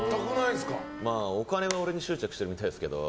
まあ、お金は俺に執着してるみたいですけど。